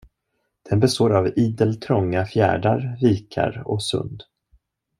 Den består av idel trånga fjärdar, vikar och sund.